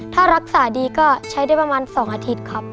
ถ้ารักษาดีก็ใช้ได้ประมาณ๒อาทิตย์ครับ